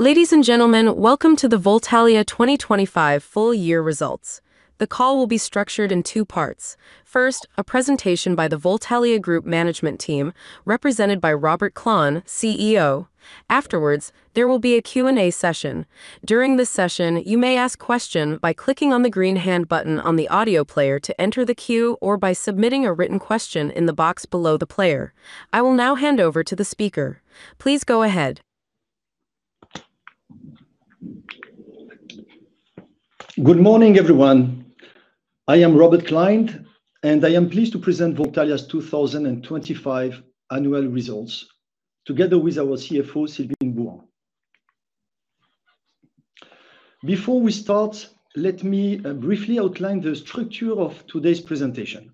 Ladies and gentlemen, welcome to the Voltalia 2025 full year results. The call will be structured in two parts. First, a presentation by the Voltalia Group management team, represented by Robert Klein, CEO. Afterwards, there will be a Q&A session. During this session, you may ask questions by clicking on the green hand button on the audio player to enter the queue or by submitting a written question in the box below the player. I will now hand over to the speaker. Please go ahead. Good morning everyone I am Robert Klein and I am pleased to present Voltalia's 2025 annual results together with our CFO, Sylvine Bouan. Before we start, let me briefly outline the structure of today's presentation.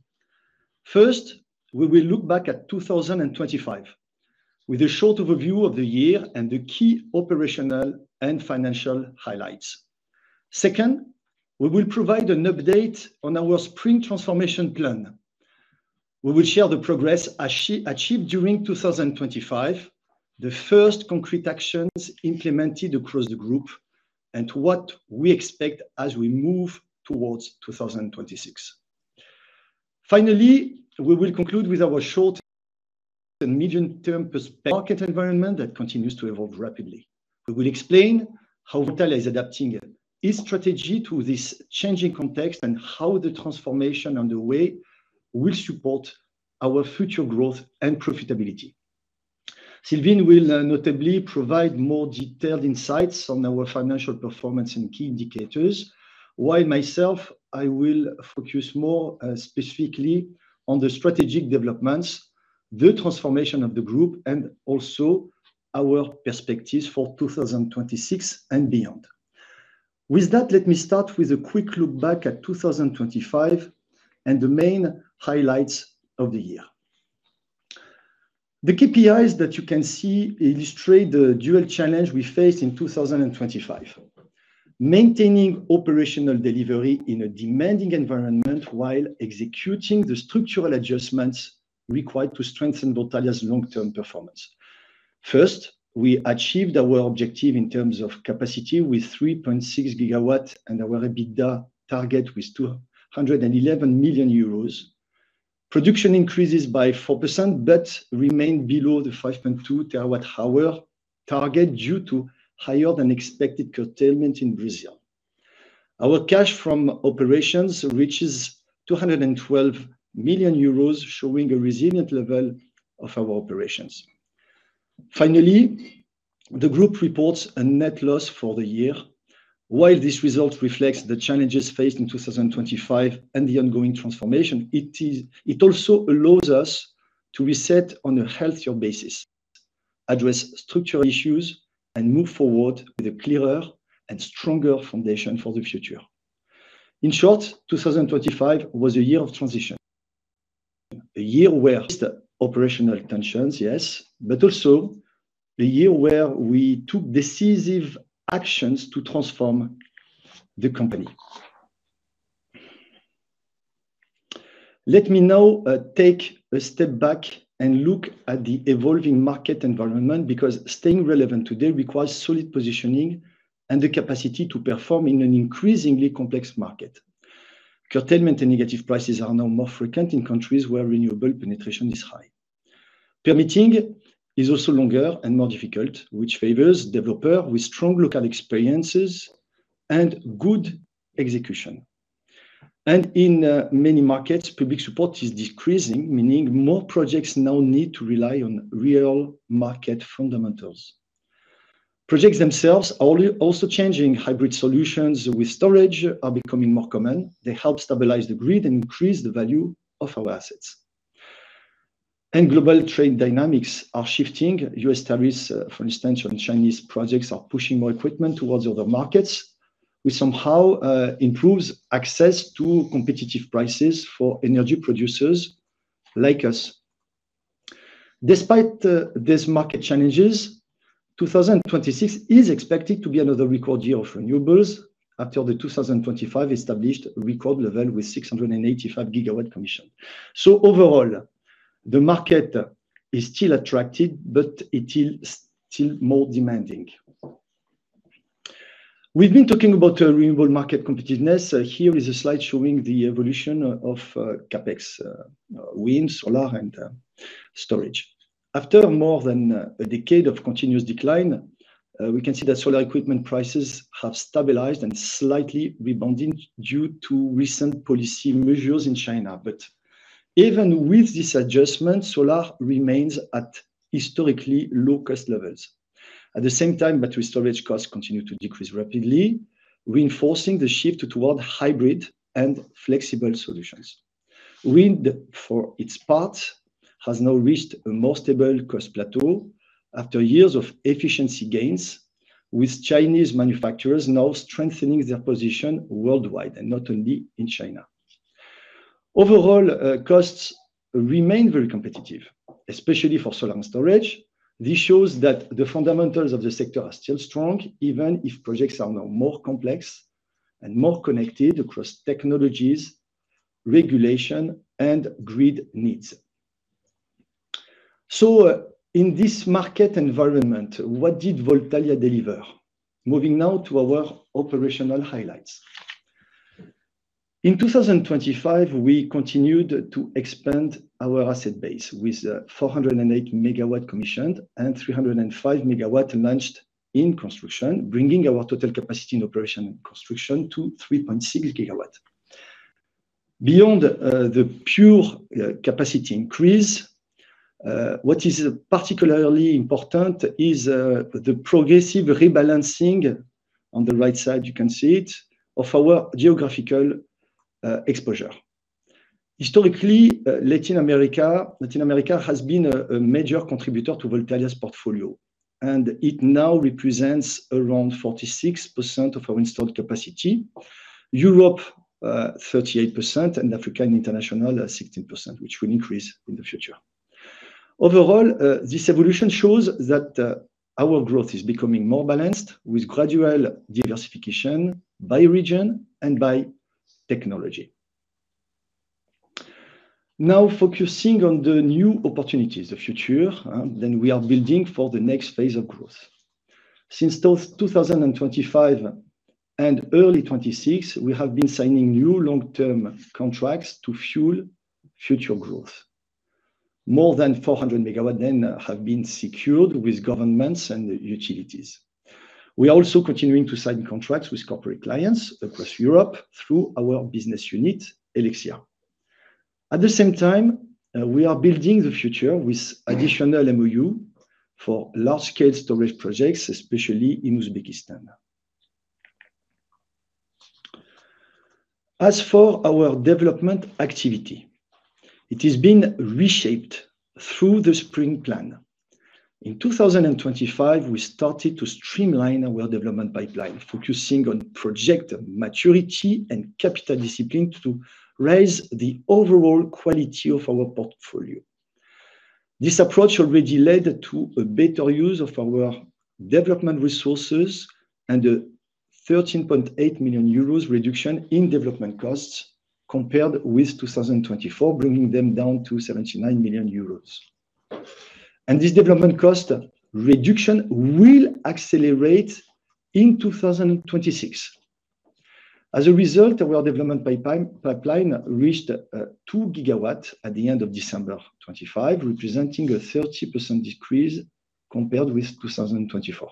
First, we will look back at 2025 with a short overview of the year and the key operational and financial highlights. Second, we will provide an update on our SPRING transformation plan. We will share the progress achieved during 2025, the first concrete actions implemented across the group, and what we expect as we move towards 2026. Finally, we will conclude with our short- and medium-term market environment that continues to evolve rapidly. We will explain how Voltalia is adapting its strategy to this changing context and how the transformation underway will support our future growth and profitability. Sylvine Bouan will notably provide more detailed insights on our financial performance and key indicators, while myself, I will focus more, specifically on the strategic developments, the transformation of the group, and also our perspectives for 2026 and beyond. With that, let me start with a quick look back at 2025 and the main highlights of the year. The KPIs that you can see illustrate the dual challenge we faced in 2025. Maintaining operational delivery in a demanding environment while executing the structural adjustments required to strengthen Voltalia's long-term performance. First, we achieved our objective in terms of capacity with 3.6 GW and our EBITDA target with 211 million euros. Production increases by 4% but remained below the 5.2 TWh target due to higher than expected curtailment in Brazil. Our cash from operations reaches 212 million euros, showing a resilient level of our operations. Finally, the group reports a net loss for the year. While this result reflects the challenges faced in 2025 and the ongoing transformation, it also allows us to reset on a healthier basis, address structural issues, and move forward with a clearer and stronger foundation for the future. In short, 2025 was a year of transition. A year where operational tensions, yes, but also a year where we took decisive actions to transform the company. Let me now take a step back and look at the evolving market environment, because staying relevant today requires solid positioning and the capacity to perform in an increasingly complex market. Curtailment and negative prices are now more frequent in countries where renewable penetration is high. Permitting is also longer and more difficult, which favors developer with strong local experiences and good execution. In many markets, public support is decreasing, meaning more projects now need to rely on real market fundamentals. Projects themselves also changing hybrid solutions with storage are becoming more common. They help stabilize the grid and increase the value of our assets. Global trade dynamics are shifting. US tariffs, for instance, on Chinese projects are pushing more equipment towards other markets, which somehow improves access to competitive prices for energy producers like us. Despite these market challenges, 2026 is expected to be another record year for renewables after the 2025 established record level with 685 GW commissioned. Overall, the market is still attractive, but it is still more demanding. We've been talking about renewable market competitiveness. Here is a slide showing the evolution of CapEx, wind, solar, and storage. After more than a decade of continuous decline, we can see that solar equipment prices have stabilized and slightly rebounded due to recent policy measures in China. Even with this adjustment, solar remains at historically low cost levels. At the same time, battery storage costs continue to decrease rapidly, reinforcing the shift toward hybrid and flexible solutions. Wind, for its part, has now reached a more stable cost plateau after years of efficiency gains, with Chinese manufacturers now strengthening their position worldwide and not only in China. Overall, costs remain very competitive, especially for solar and storage. This shows that the fundamentals of the sector are still strong, even if projects are now more complex and more connected across technologies, regulation, and grid needs. In this market environment, what did Voltalia deliver? Moving now to our operational highlights. In 2025, we continued to expand our asset base with 408 MW commissioned and 305 MW launched in construction, bringing our total capacity in operation and construction to 3.6 GW. Beyond the pure capacity increase, what is particularly important is the progressive rebalancing, on the right side you can see it, of our geographical exposure. Historically, Latin America has been a major contributor to Voltalia's portfolio, and it now represents around 46% of our installed capacity. Europe 38% and Africa and international 16%, which will increase in the future. Overall, this evolution shows that our growth is becoming more balanced with gradual diversification by region and by technology. Now focusing on the new opportunities, the future that we are building for the next phase of growth. Since 2025 and early 2026, we have been signing new long-term contracts to fuel future growth. More than 400 MW that have been secured with governments and utilities. We are also continuing to sign contracts with corporate clients across Europe through our business unit, Helexia. At the same time, we are building the future with additional MoU for large scale storage projects, especially in Uzbekistan. As for our development activity, it is being reshaped through the SPRING plan. In 2025, we started to streamline our development pipeline, focusing on project maturity and capital discipline to raise the overall quality of our portfolio. This approach already led to a better use of our development resources and a 13.8 million euros reduction in development costs compared with 2024, bringing them down to 79 million euros. This development cost reduction will accelerate in 2026. As a result, our development pipeline reached 2 GW at the end of December 2025, representing a 30% decrease compared with 2024.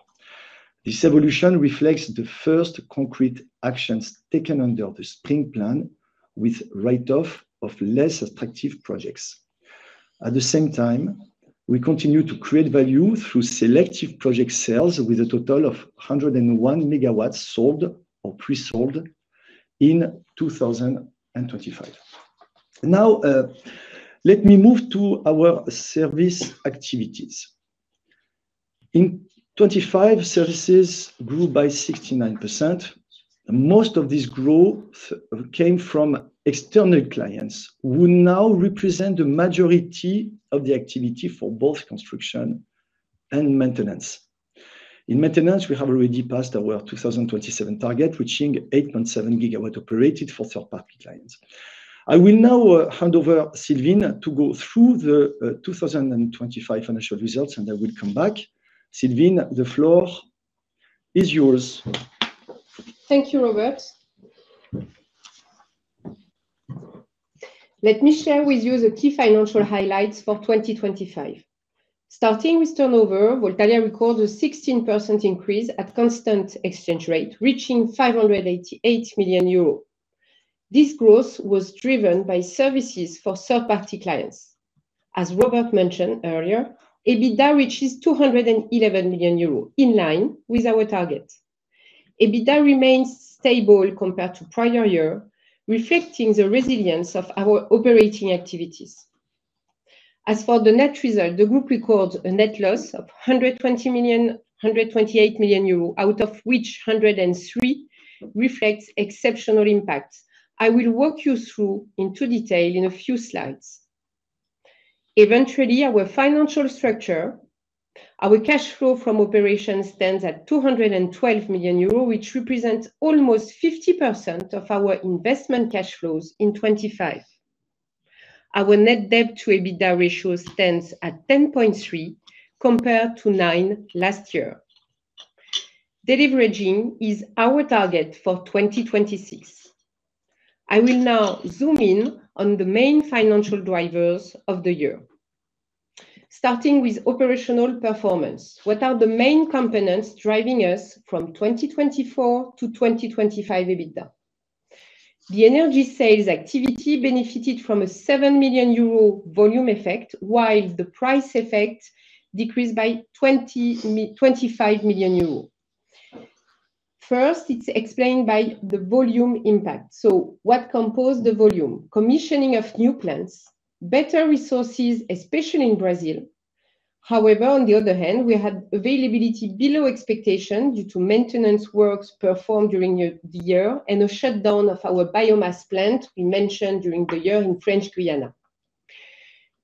This evolution reflects the first concrete actions taken under the SPRING plan with write-off of less attractive projects. At the same time, we continue to create value through selective project sales with a total of 101 MW sold or pre-sold in 2025. Now, let me move to our service activities. In 2025, Services grew by 69%. Most of this growth came from external clients who now represent the majority of the activity for both construction and maintenance. In maintenance, we have already passed our 2027 target, reaching 8.7 GW operated for third-party clients. I will now hand over Sylvine to go through the 2025 financial results and I will come back Sylvine the floor is yours. Thank you Robert let me share with you the key financial highlights for 2025. Starting with turnover, Voltalia recorded 16% increase at constant exchange rate, reaching 588 million euros. This growth was driven by services for third party clients. As Robert mentioned earlier, EBITDA reaches 211 million euros, in line with our target. EBITDA remains stable compared to prior year, reflecting the resilience of our operating activities. As for the net result, the group records a net loss of 128 million euros, out of which 103 million reflects exceptional impacts. I will walk you through in detail in a few slides. Eventually, our financial structure, our cash flow from operations stands at 212 million euros, which represents almost 50% of our investment cash flows in 2025. Our net debt to EBITDA ratio stands at 10.3 compared to 9 last year. Deleveraging is our target for 2026. I will now zoom in on the main financial drivers of the year. Starting with operational performance. What are the main components driving us from 2024-2025 EBITDA? The Energy Sales activity benefited from a 7 million euro volume effect, while the price effect decreased by 25 million euro. First, it's explained by the volume impact. So what composed the volume? Commissioning of new plants, better resources, especially in Brazil. However, on the other hand, we had availability below expectation due to maintenance works performed during the year and a shutdown of our biomass plant we mentioned during the year in French Guiana.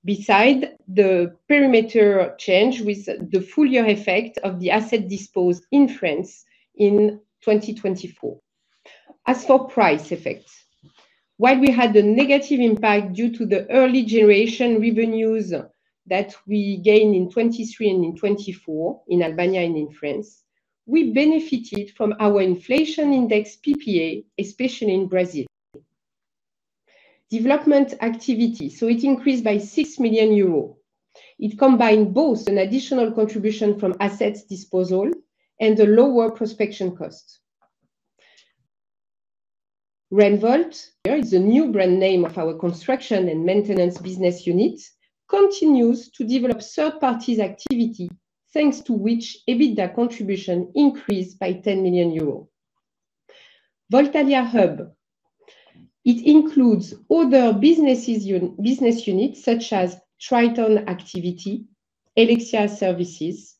Besides the perimeter change with the full-year effect of the asset disposed in France in 2024. As for price effects, while we had a negative impact due to the early generation revenues that we gained in 2023 and in 2024 in Albania and in France, we benefited from our inflation index PPA, especially in Brazil. Development activity. It increased by 6 million euros. It combined both an additional contribution from assets disposal and a lower prospection cost. Renvolt is a new brand name of our construction and maintenance business unit. It continues to develop third-party activity, thanks to which EBITDA contribution increased by 10 million euros. Voltalia Hub. It includes other business units such as Triton activity, Helexia Services.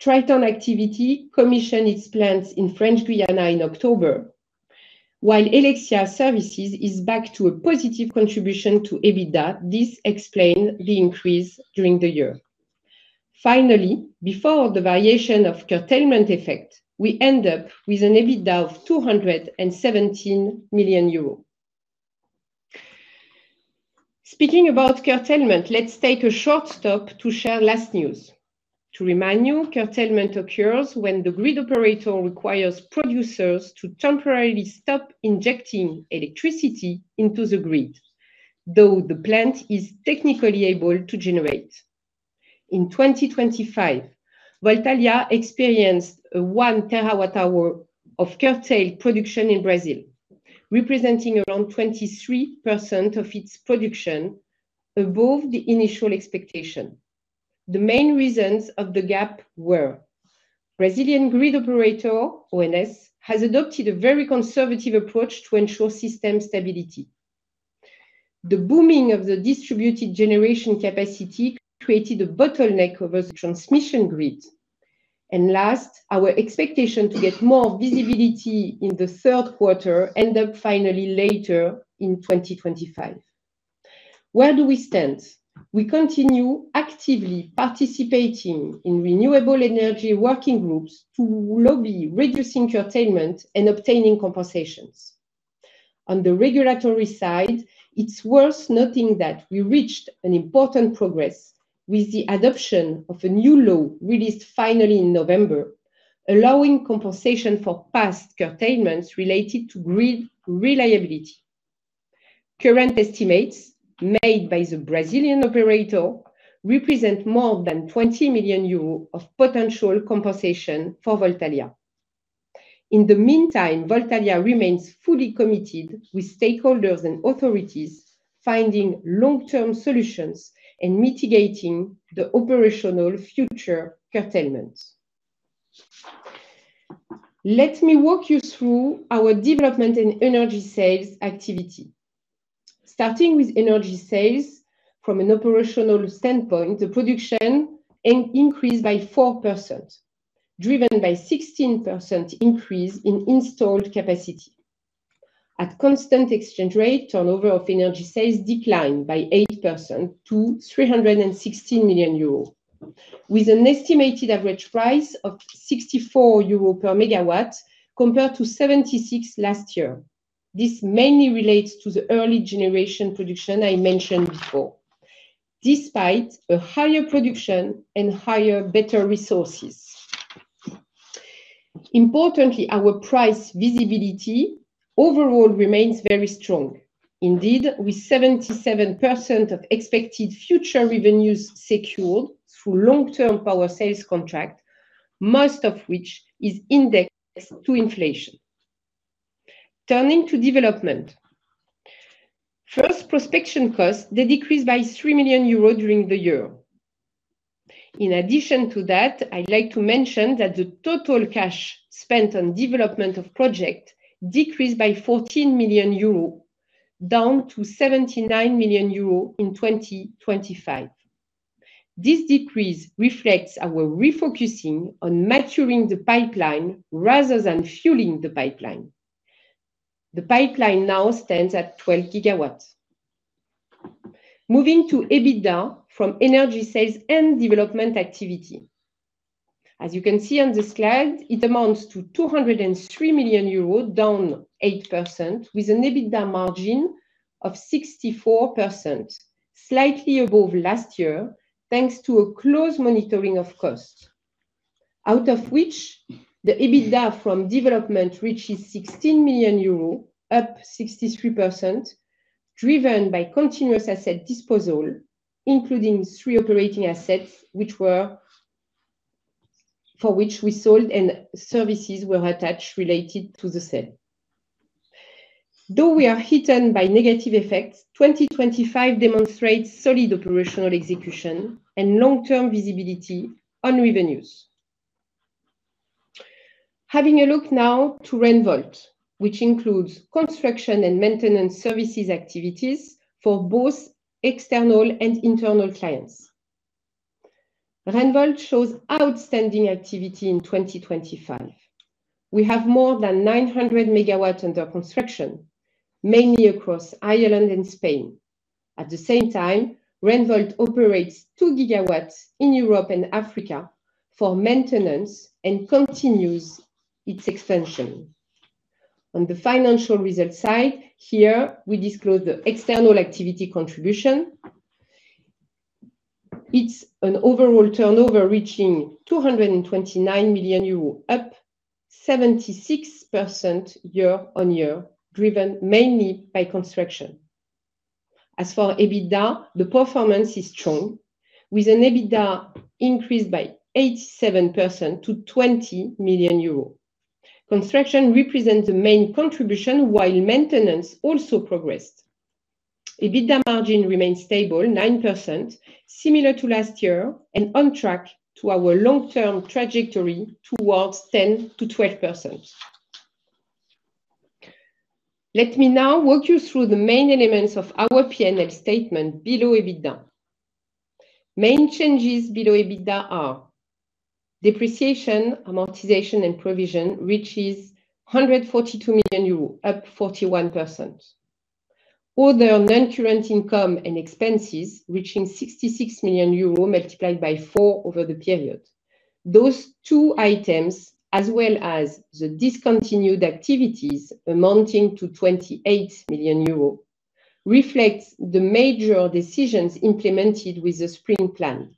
Triton activity commissioned its plants in French Guiana in October, while Helexia Services is back to a positive contribution to EBITDA. This explains the increase during the year. Finally, before the variation of curtailment effect, we end up with an EBITDA of 217 million euros. Speaking about curtailment, let's take a short stop to share latest news. To remind you, curtailment occurs when the grid operator requires producers to temporarily stop injecting electricity into the grid, though the plant is technically able to generate. In 2025, Voltalia experienced 1 TWh of curtailed production in Brazil, representing around 23% of its production above the initial expectation. The main reasons of the gap were the Brazilian grid operator ONS has adopted a very conservative approach to ensure system stability. The booming of the distributed generation capacity created a bottleneck over the transmission grid. Last, our expectation to get more visibility in the third quarter end up finally later in 2025. Where do we stand? We continue actively participating in renewable energy working groups to lobby for reducing curtailment and obtaining compensations. On the regulatory side, it's worth noting that we reached an important progress with the adoption of a new law released finally in November, allowing compensation for past curtailments related to grid reliability. Current estimates made by the Brazilian operator represent more than 20 million euros of potential compensation for Voltalia. In the meantime, Voltalia remains fully committed with stakeholders and authority, finding long-term solutions and mitigating the operational future curtailment. Let me walk you through our development in Energy Sales activity. Starting with Energy Sales, from an operational standpoint, the production increased by 4%, driven by 16% increase in installed capacity. At constant exchange rate, turnover of energy sales declined by 8% to 316 million euros, with an estimated average price of 64 euros per MWh compared to 76 last year. This mainly relates to the early generation production I mentioned before, despite a higher production and higher better resources. Importantly, our price visibility overall remains very strong. Indeed, with 77% of expected future revenues secured through long-term power sales contract, most of which is indexed to inflation. Turning to development. First, prospection costs, they decreased by 3 million euros during the year. In addition to that, I'd like to mention that the total cash spent on development of project decreased by 14 million euro, down to 79 million euro in 2025. This decrease reflects our refocusing on maturing the pipeline rather than fueling the pipeline. The pipeline now stands at 12 GW. Moving to EBITDA from energy sales and development activity. As you can see on the slide, it amounts to 203 million euros, down 8%, with an EBITDA margin of 64%, slightly above last year, thanks to a close monitoring of costs. Out of which, the EBITDA from development reaches 16 million euros, up 63%, driven by continuous asset disposal, including three operating assets, for which we sold and services were attached related to the sale. Though we are hidden by negative effects, 2025 demonstrates solid operational execution and long-term visibility on revenues. Having a look now to Renvolt, which includes construction and maintenance services activities for both external and internal clients. Renvolt shows outstanding activity in 2025. We have more than 900 MW under construction, mainly across Ireland and Spain. At the same time, Renvolt operates 2 GW in Europe and Africa for maintenance and continues its expansion. On the financial result side, here we disclose the external activity contribution. It's an overall turnover reaching 229 million euros, up 76% year-on-year, driven mainly by construction. As for EBITDA, the performance is strong with an EBITDA increase by 87% to 20 million euro. Construction represents the main contribution while maintenance also progressed. EBITDA margin remains stable, 9%, similar to last year and on track to our long-term trajectory towards 10%-12%. Let me now walk you through the main elements of our P&L statement below EBITDA. Main changes below EBITDA are depreciation, amortization and provision, which is 142 million euros, up 41%. Other non-current income and expenses, reaching 66 million euros, multiplied by four over the period. Those two items, as well as the discontinued activities amounting to 28 million euros, reflects the major decisions implemented with the SPRING plan.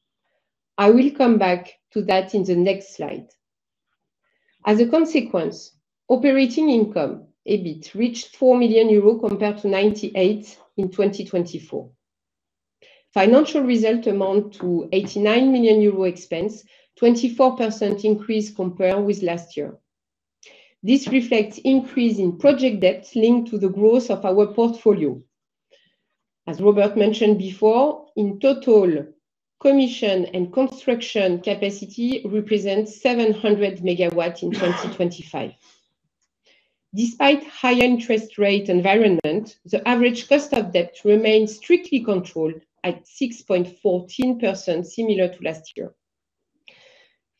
I will come back to that in the next slide. As a consequence, operating income, EBIT, reached 4 million euros compared to 98 million in 2024. Financial result amount to 89 million euros expense, 24% increase compared with last year. This reflects increase in project debt linked to the growth of our portfolio. As Robert mentioned before, in total, commissioning and construction capacity represents 700 MW in 2025. Despite high interest rate environment, the average cost of debt remains strictly controlled at 6.14%, similar to last year.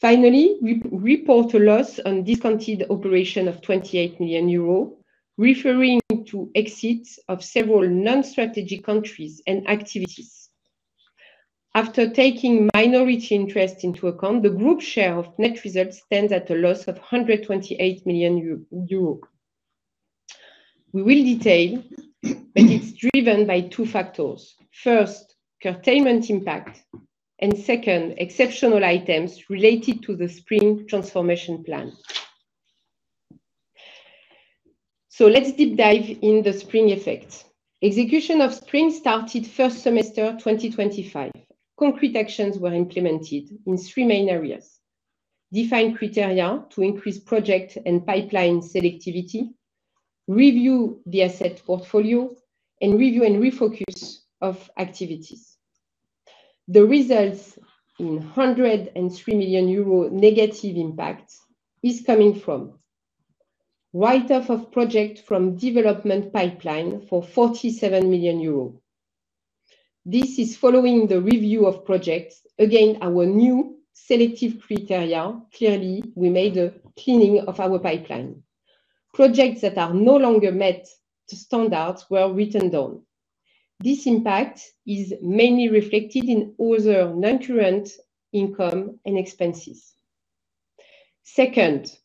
Finally, we report a loss on discontinued operation of 28 million euro, referring to exits of several non-strategic countries and activities. After taking minority interest into account, the group share of net results stands at a loss of 128 million euro. We will detail, but it's driven by two factors. First, curtailment impact, and second, exceptional items related to the SPRING transformation plan. Let's deep dive in the SPRING effect. Execution of SPRING started first semester 2025. Concrete actions were implemented in three main areas. Define criteria to increase project and pipeline selectivity, review the asset portfolio, and review and refocus of activities. The results in 103 million euro negative impact is coming from write-off of project from development pipeline for 47 million euros. This is following the review of projects against our new selective criteria. Clearly, we made a cleaning of our pipeline. Projects that are no longer met to standards were written down. This impact is mainly reflected in other non-current income and expenses. Second,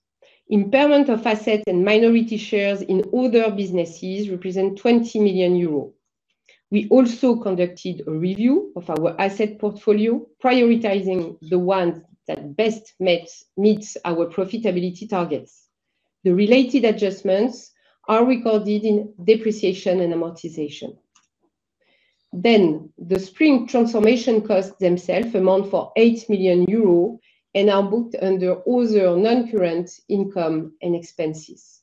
impairment of assets and minority shares in other businesses represent 20 million euros. We also conducted a review of our asset portfolio, prioritizing the ones that best meets our profitability targets. The related adjustments are recorded in depreciation and amortization. SPRING transformation costs themselves amount to 8 million euros and are booked under other non-current income and expenses.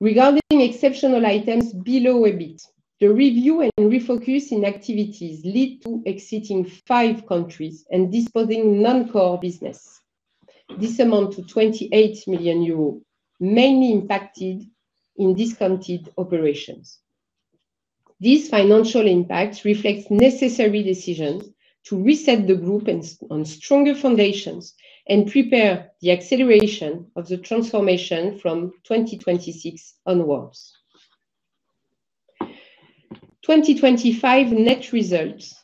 Regarding exceptional items below EBIT, the review and refocus in activities lead to exiting five countries and disposing non-core business. This amounts to 28 million euros, mainly impacted in discontinued operations. This financial impact reflects necessary decisions to reset the group on stronger foundations and prepare the acceleration of the transformation from 2026 onwards. 2025 net results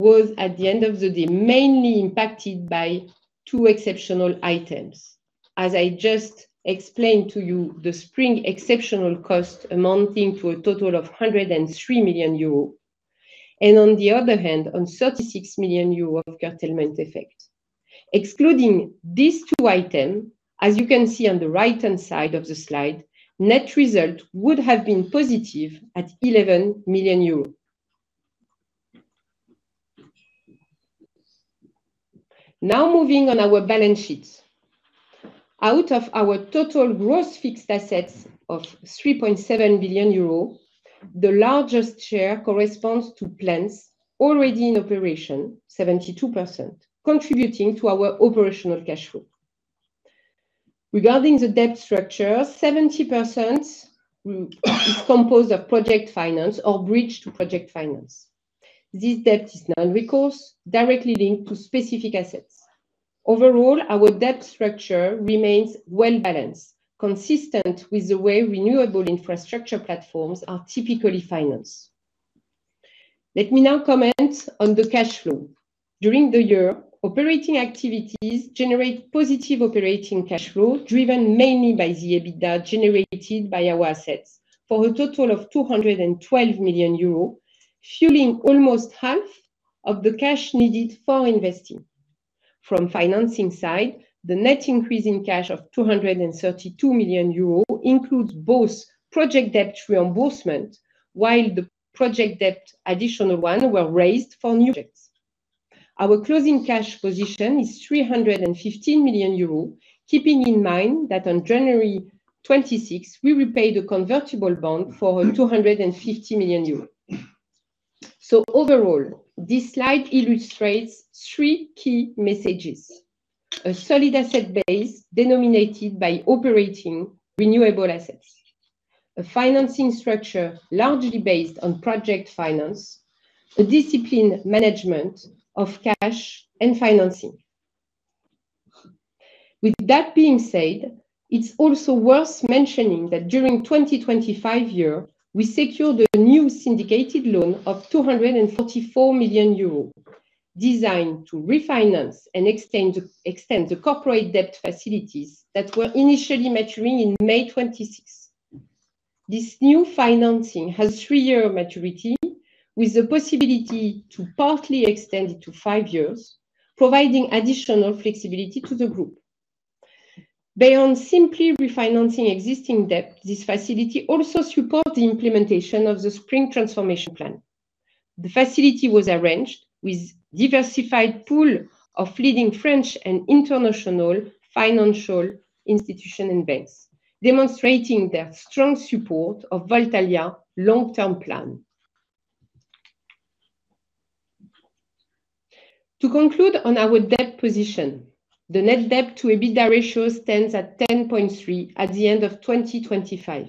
was, at the end of the day, mainly impacted by two exceptional items. As I just explained to you, the SPRING exceptional cost amounting to a total of 103 million euros and, on the other hand, on 36 million euros of curtailment effect. Excluding these two item, as you can see on the right-hand side of the slide, net result would have been positive at 11 million euros. Now moving on our balance sheet. Out of our total gross fixed assets of 3.7 billion euro, the largest share corresponds to plants already in operation, 72%, contributing to our operational cash flow. Regarding the debt structure, 70% is composed of project finance or bridge to project finance. This debt is non-recourse, directly linked to specific assets. Overall, our debt structure remains well-balanced, consistent with the way renewable infrastructure platforms are typically financed. Let me now comment on the cash flow. During the year, operating activities generate positive operating cash flow, driven mainly by the EBITDA generated by our assets for a total of 212 million euros, fueling almost half of the cash needed for investing. From financing side, the net increase in cash of 232 million euros includes both project debt reimbursement, while additional project debt was raised for new projects. Our closing cash position is 315 million euros, keeping in mind that on January 26th, we repay the convertible bond for 250 million euros. Overall, this slide illustrates three key messages. A solid asset base denominated by operating renewable assets. A financing structure largely based on project finance. A disciplined management of cash and financing. With that being said, it's also worth mentioning that during 2025, we secured a new syndicated loan of 244 million euros designed to refinance and extend the corporate debt facilities that were initially maturing in May 2026. This new financing has three year maturity with the possibility to partly extend it to five years, providing additional flexibility to the group. Beyond simply refinancing existing debt, this facility also support the implementation of the SPRING transformation plan. The facility was arranged with diversified pool of leading French and international financial institution and banks, demonstrating their strong support of Voltalia long-term plan. To conclude on our debt position, the net debt to EBITDA ratio stands at 10.3 at the end of 2025.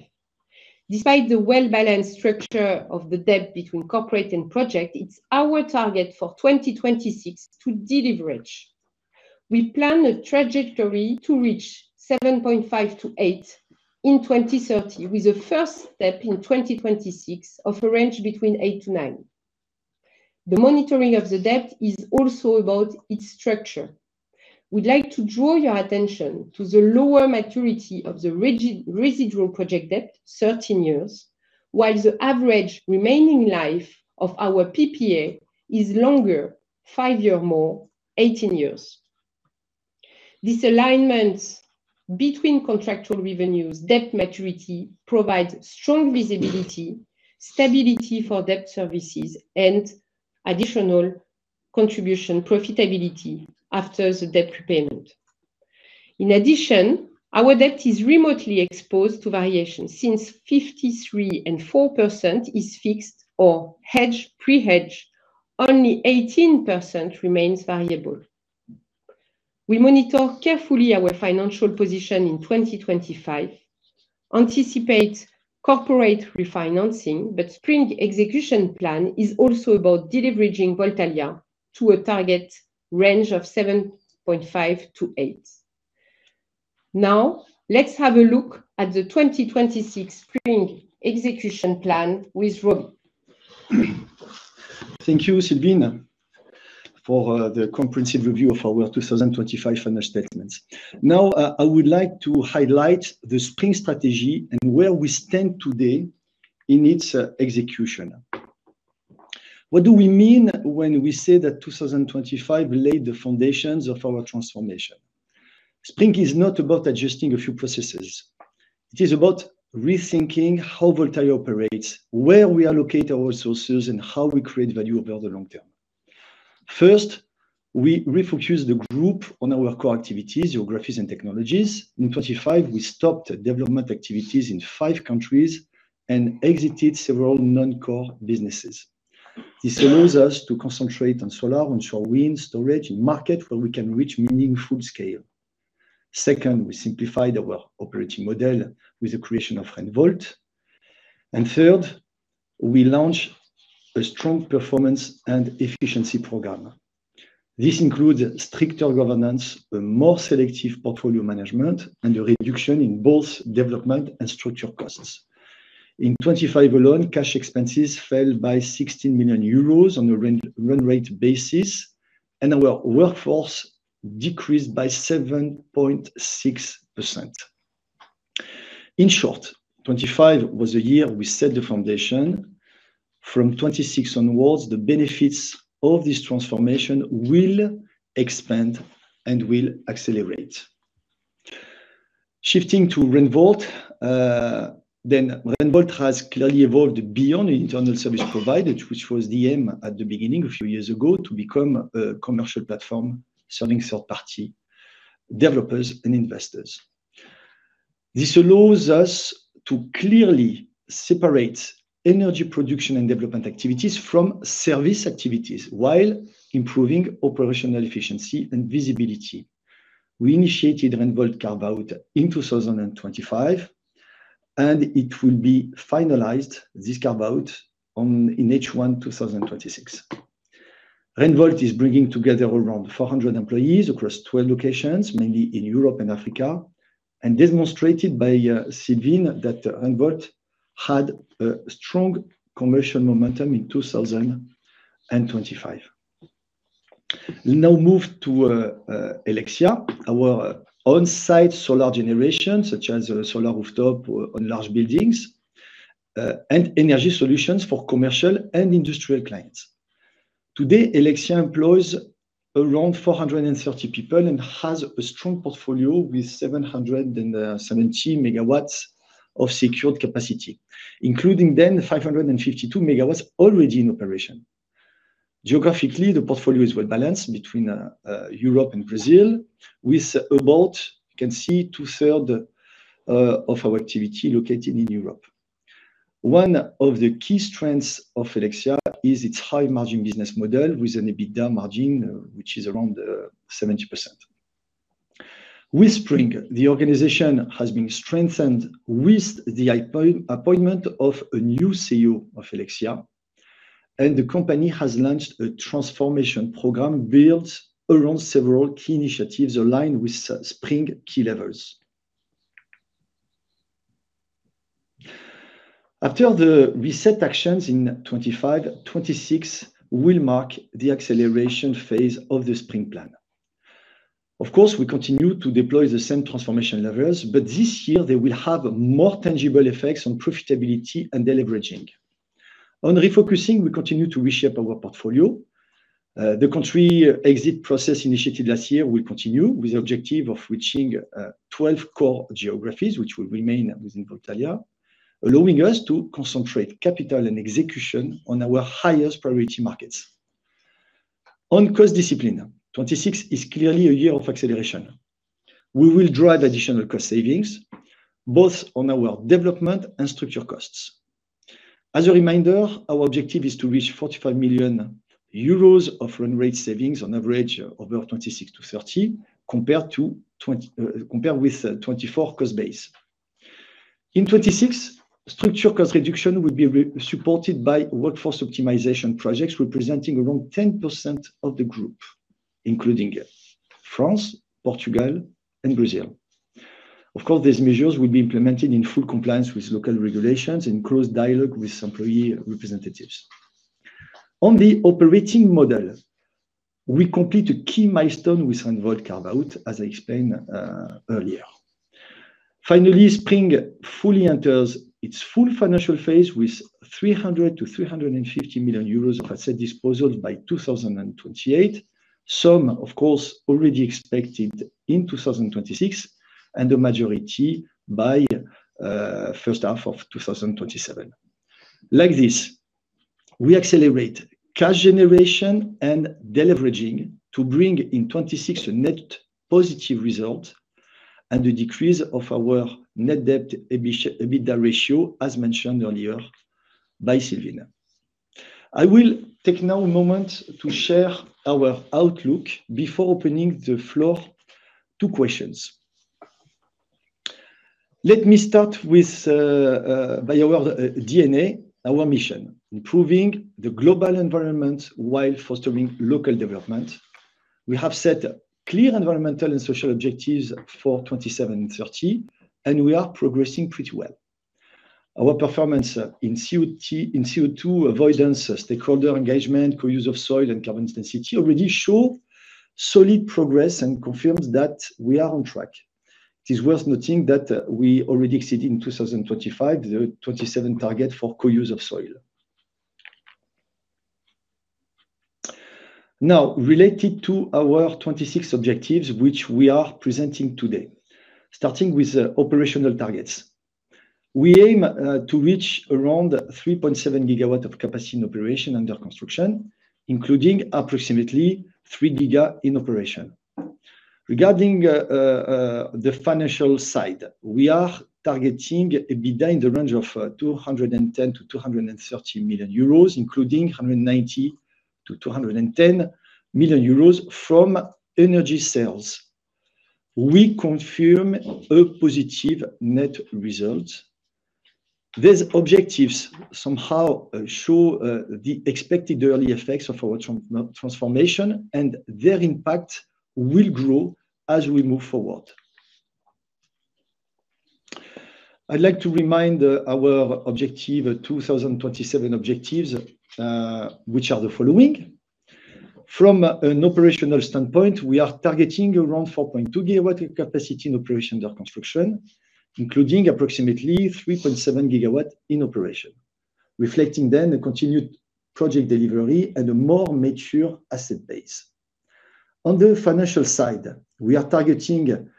Despite the well-balanced structure of the debt between corporate and project, it's our target for 2026 to deleverage. We plan a trajectory to reach 7.5-8 in 2030, with a first step in 2026 of a range between 8-9. The monitoring of the debt is also about its structure. We'd like to draw your attention to the lower maturity of the residual project debt, 13 years, while the average remaining life of our PPA is longer, five year or more, 18 years. This alignment between contractual revenues, debt maturity, provides strong visibility, stability for debt services and additional contribution profitability after the debt repayment. In addition, our debt is remotely exposed to variation, since 53.4% is fixed or hedged, pre-hedged, only 18% remains variable. We monitor carefully our financial position in 2025, anticipate corporate refinancing, but SPRING execution plan is also about deleveraging Voltalia to a target range of 7.5-8. Now, let's have a look at the 2026 SPRING execution plan with Robert Klein. Thank you Sylvine for the comprehensive review of our year 2025 financial statements. Now, I would like to highlight the SPRING strategy and where we stand today in its execution. What do we mean when we say that 2025 laid the foundations of our transformation? SPRING is not about adjusting a few processes. It is about rethinking how Voltalia operates, where we allocate our resources, and how we create value over the long term. First, we refocus the group on our core activities, geographies and technologies. In 2025, we stopped development activities in five countries and exited several non-core businesses. This allows us to concentrate on solar, onshore wind, storage in markets where we can reach meaningful scale. Second, we simplified our operating model with the creation of Renvolt. Third, we launch a strong performance and efficiency program. This includes stricter governance, a more selective portfolio management, and a reduction in both development and structural costs. In 2025 alone, cash expenses fell by 60 million euros on a run rate basis, and our workforce decreased by 7.6%. In short, 2025 was the year we set the foundation. From 2026 onwards, the benefits of this transformation will expand and will accelerate. Shifting to Renvolt, then Renvolt has clearly evolved beyond internal service provider, which was the aim at the beginning a few years ago to become a commercial platform serving third-party developers and investors. This allows us to clearly separate energy production and development activities from service activities while improving operational efficiency and visibility. We initiated Renvolt carve-out in 2025, and it will be finalized, this carve-out in H1 2026. Renvolt is bringing together around 400 employees across 12 locations, mainly in Europe and Africa, and demonstrated by Sylvine that Renvolt had a strong commercial momentum in 2025. We now move to Helexia, our on-site solar generation, such as solar rooftop on large buildings, and energy solutions for commercial and industrial clients. Today, Helexia employs around 430 people and has a strong portfolio with 717 MW of secured capacity, including 552 MW already in operation. Geographically, the portfolio is well-balanced between Europe and Brazil, with about, you can see, 2/3 of our activity located in Europe. One of the key strengths of Helexia is its high margin business model with an EBITDA margin which is around 70%. With SPRING, the organization has been strengthened with the appointment of a new CEO of Helexia, and the company has launched a transformation program built around several key initiatives aligned with SPRING key levers. After the reset actions in 2025, 2026 will mark the acceleration phase of the SPRING plan. Of course, we continue to deploy the same transformation levers, but this year they will have more tangible effects on profitability and deleveraging. On refocusing, we continue to reshape our portfolio. The country exit process initiative last year will continue with the objective of reaching 12 core geographies, which will remain within Voltalia, allowing us to concentrate capital and execution on our highest priority markets. On cost discipline, 2026 is clearly a year of acceleration. We will drive additional cost savings, both on our development and structural costs. As a reminder, our objective is to reach 45 million euros of run rate savings on average over 2026-2030, compared with 2024 cost base. In 2026, structure cost reduction will be re-supported by workforce optimization projects, representing around 10% of the group, including France, Portugal, and Brazil. Of course, these measures will be implemented in full compliance with local regulations, in close dialogue with employee representatives. On the operating model, we complete a key milestone with Renvolt carve-out, as I explained earlier. Finally, SPRING fully enters its full financial phase with 300 million-350 million euros of asset disposal by 2028. Some, of course, already expected in 2026, and the majority by first half of 2027. Like this, we accelerate cash generation and deleveraging to bring in 2026 a net positive result and the decrease of our net debt to EBITDA ratio, as mentioned earlier by Sylvine. I will take now a moment to share our outlook before opening the floor to questions. Let me start with by our DNA, our mission, improving the global environment while fostering local development. We have set clear environmental and social objectives for 2027 and 2030, and we are progressing pretty well. Our performance in CO2, in CO2 avoidance, stakeholder engagement, co-use of soil and carbon intensity already show solid progress and confirms that we are on track. It is worth noting that we already exceeded in 2025 the 2027 target for co-use of soil. Now, related to our 2026 objectives, which we are presenting today. Starting with the operational targets. We aim to reach around 3.7 GW of capacity in operation under construction, including approximately 3 GW in operation. Regarding the financial side, we are targeting an EBITDA in the range of 210 million-230 million euros, including 190 million-210 million euros from energy sales. We confirm a positive net result. These objectives somehow show the expected early effects of our transformation, and their impact will grow as we move forward. I'd like to remind our objective, 2027 objectives, which are the following. From an operational standpoint, we are targeting around 4.2 GW capacity in operation under construction, including approximately 3.7 GW in operation, reflecting then a continued project delivery and a more mature asset base. On the financial side, we are targeting an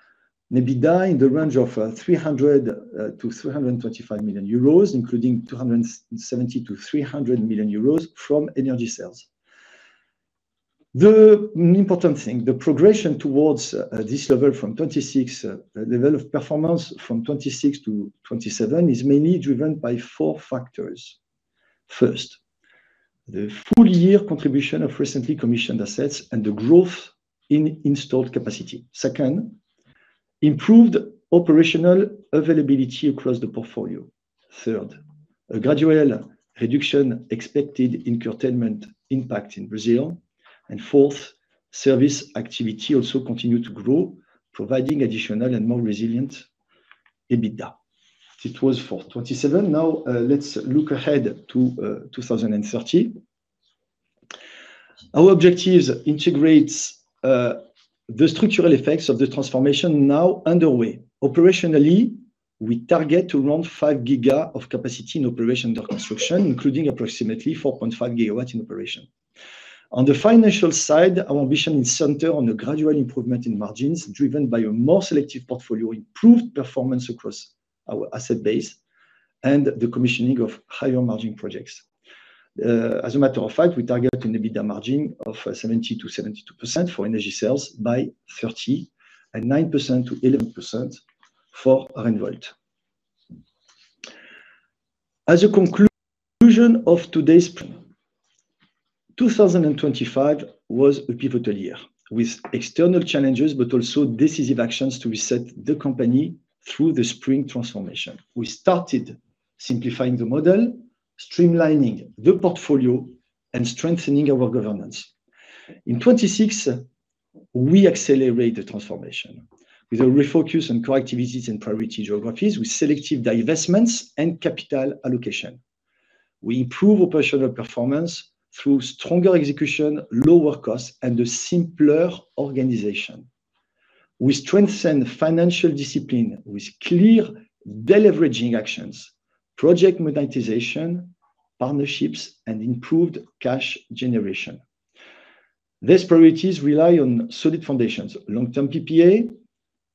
EBITDA in the range of 300 million-325 million euros, including 270 million-300 million euros from energy sales. The important thing, the progression towards this level of performance from 2026 to 2027 is mainly driven by four factors. First, the full year contribution of recently commissioned assets and the growth in installed capacity. Second, improved operational availability across the portfolio. Third, a gradual reduction expected in curtailment impact in Brazil. And fourth, service activity also continue to grow, providing additional and more resilient EBITDA. It was for 2027. Now, let's look ahead to 2030. Our objectives integrates the structural effects of the transformation now underway. Operationally, we target around 5 GW of capacity in operation under construction, including approximately 4.5 GW in operation. On the financial side, our ambition is center on a gradual improvement in margins driven by a more selective portfolio, improved performance across our asset base, and the commissioning of higher margin projects. As a matter of fact, we target an EBITDA margin of 70%-72% for energy sales by 2030, and 9%-11% for Renvolt. In conclusion, 2025 was a pivotal year with external challenges, but also decisive actions to reset the company through the SPRING transformation. We started simplifying the model, streamlining the portfolio, and strengthening our governance. In 2026, we accelerate the transformation with a refocus on core activities and priority geographies with selective divestments and capital allocation. We improve operational performance through stronger execution, lower costs, and a simpler organization. We strengthen financial discipline with clear deleveraging actions, project monetization, partnerships, and improved cash generation. These priorities rely on solid foundations, long-term PPA,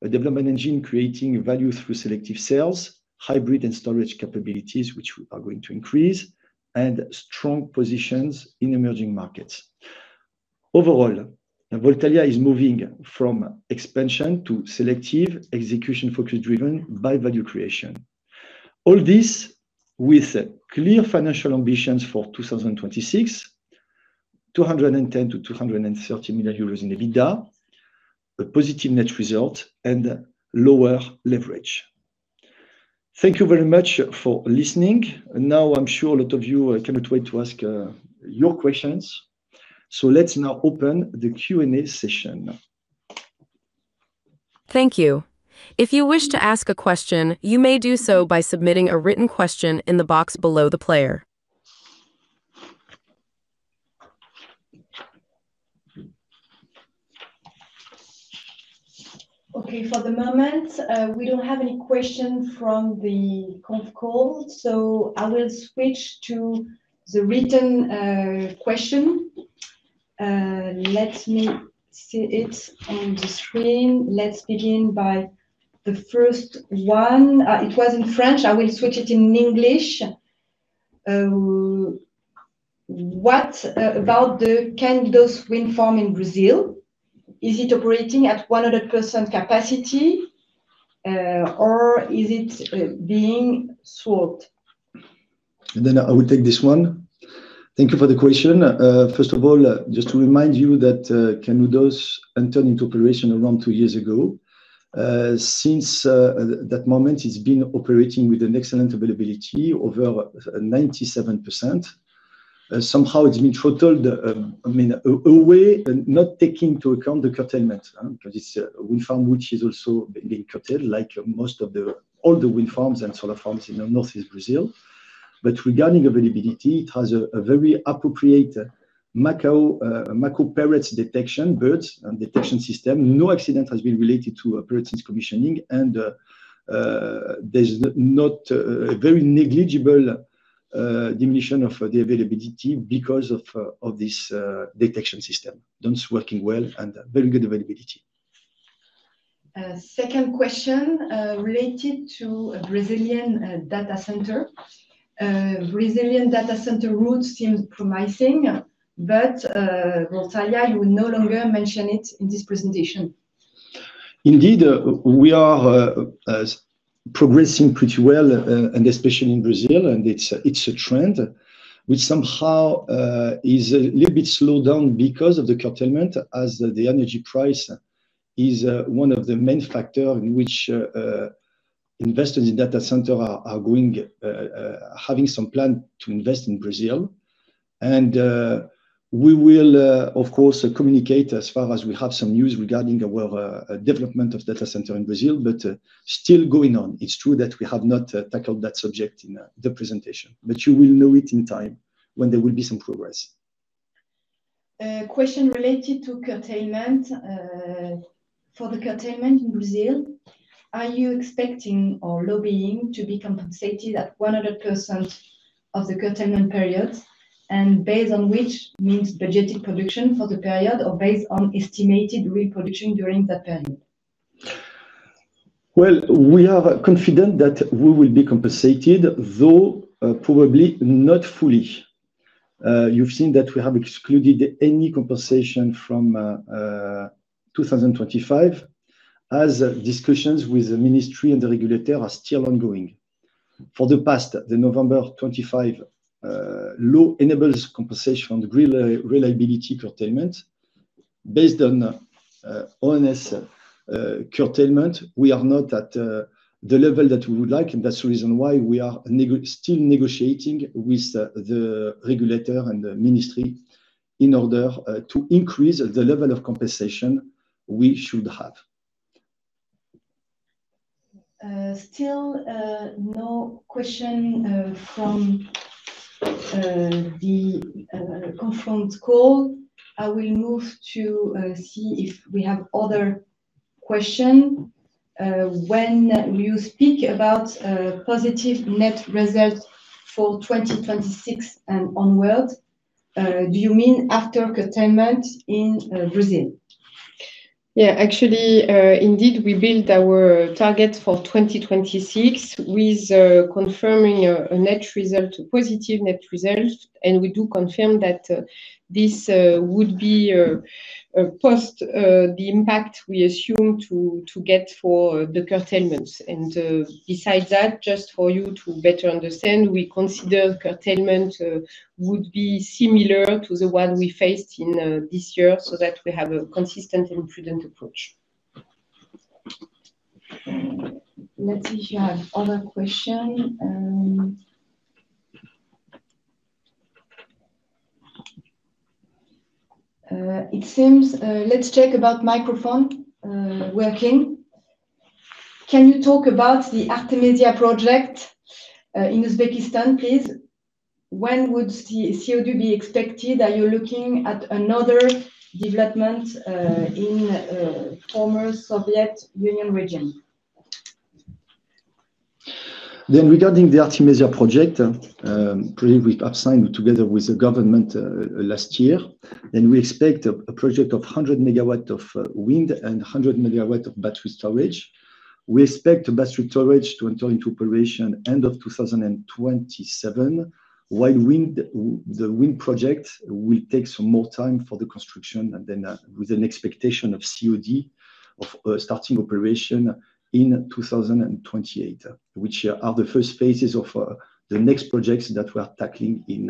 a development engine creating value through selective sales, hybrid and storage capabilities which are going to increase, and strong positions in emerging markets. Overall, Voltalia is moving from expansion to selective execution focus driven by value creation. All this with clear financial ambitions for 2026, 210 million-230 million euros in EBITDA, a positive net result, and lower leverage. Thank you very much for listening. Now, I'm sure a lot of you cannot wait to ask your questions, so let's now open the Q&A session. Thank you. If you wish to ask a question, you may do so by submitting a written question in the box below the player. Okay For the moment, we don't have any question from the conference call, so I will switch to the written question. Let me see it on the screen. Let's begin by the first one. It was in French. I will switch it in English. What about the Canudos wind farm in Brazil? Is it operating at 100% capacity, or is it being sold? I will take this one. Thank you for the question. First of all, just to remind you that Canudos entered into operation around two years ago. Since that moment, it's been operating with an excellent availability, over 97%. Somehow it's been throttled, I mean, away and not taking into account the curtailment, because it's a wind farm which is also being curtailed like most of the older wind farms and solar farms in the Northeast Brazil. Regarding availability, it has a very appropriate macaw macaw parrots detection birds detection system. No accident has been related to birds since commissioning, and there's not very negligible diminution of the availability because of this detection system that's working well and very good availability. Second question related to a Brazilian data center. Brazilian data center route seems promising, but Voltalia, you will no longer mention it in this presentation. Indeed, we are progressing pretty well, and especially in Brazil. It's a trend which somehow is a little bit slowed down because of the curtailment as the energy price is one of the main factor in which investors in data center are going having some plan to invest in Brazil. We will, of course, communicate as far as we have some news regarding our development of data center in Brazil, but still going on. It's true that we have not tackled that subject in the presentation, but you will know it in time when there will be some progress. A question related to curtailment. For the curtailment in Brazil, are you expecting or lobbying to be compensated at 100% of the curtailment period, and based on which metric budgeted production for the period or based on estimated production during that period? Well, we are confident that we will be compensated, though, probably not fully. You've seen that we have excluded any compensation from 2025 as discussions with the ministry and the regulator are still ongoing. For the past, the November 2025 law enables compensation on the reliability curtailment. Based on ONS curtailment, we are not at the level that we would like, and that's the reason why we are still negotiating with the regulator and the ministry in order to increase the level of compensation we should have. Still, no question from the conference call. I will move to see if we have other question. When you speak about positive net results for 2026 and onwards, do you mean after curtailment in Brazil? Yeah actually indeed, we built our target for 2026 with confirming a positive net result, and we do confirm that this would be post the impact we assume to get for the curtailments. Besides that, just for you to better understand, we consider curtailment would be similar to the one we faced in this year so that we have a consistent and prudent approach. Let's see if we have other question. It seems. Let's check about microphone working. Can you talk about the Artemisia project in Uzbekistan, please? When would COD be expected? Are you looking at another development in former Soviet Union region? Regarding the Artemisia project we've signed together with the government last year, we expect a project of 100 MW of wind and 100 MW of battery storage. We expect battery storage to enter into operation end of 2027, while wind project will take some more time for the construction and then with an expectation of COD of starting operation in 2028, which are the first phases of the next projects that we are tackling in